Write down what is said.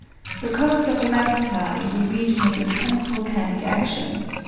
The coast of Alaska is a region of intense volcanic action.